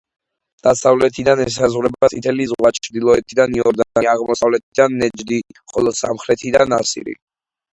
დასავლეთიდან ესაზღვრება წითელი ზღვა, ჩრდილოეთიდან იორდანია, აღმოსავლეთიდან ნეჯდი, ხოლო სამხრეთიდან ასირი.